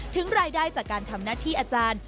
ถึงรายได้จากการทำหน้าที่อาจารย์